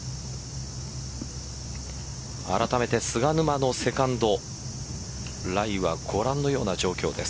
あらためて、菅沼のセカンドライはご覧のような状況です。